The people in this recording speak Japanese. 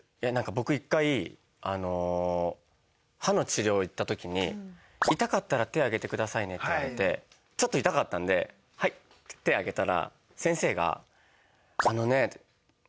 僕１回歯の治療行った時に「痛かったら手挙げてくださいね」って言われてちょっと痛かったんで「はい！」って手を挙げたら先生が。